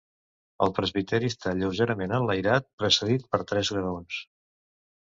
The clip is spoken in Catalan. El presbiteri està lleugerament enlairat, precedit per tres graons.